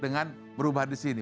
dengan berubah di sini